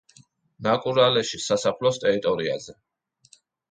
ნაკურალეშის სასაფლაოს ტერიტორიაზე.